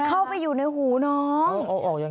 เข้าไปอยู่ในหูน้องอ๋ออย่างไร